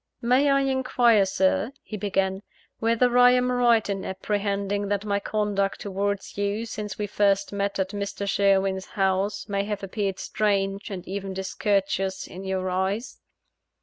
"May I inquire, Sir," he began, "whether I am right in apprehending that my conduct towards you, since we first met at Mr. Sherwin's house, may have appeared strange, and even discourteous, in your eyes?"